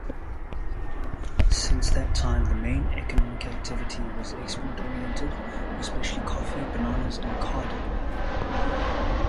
Since that time, the main economic activity was export-oriented, especially coffee, bananas and cardamom.